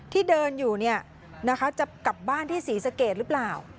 ที่เดินอยู่จะกลับบ้านที่ศรีสะเกดหรือเปล่า